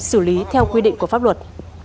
xử lý theo quy định của pháp luật